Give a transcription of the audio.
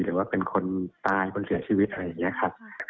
หรือว่าเป็นคนตายคนเสียชีวิตอะไรอย่างนี้ครับ